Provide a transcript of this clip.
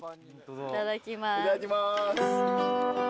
いただきます。